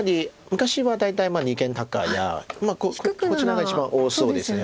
昔は大体二間高やまあこちらが一番多そうですよね。